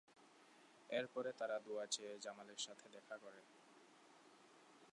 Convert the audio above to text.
এরপরে তারা দোয়া চেয়ে জামালের সাথে দেখা করে।